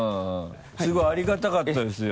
すごいありがたかったですよ。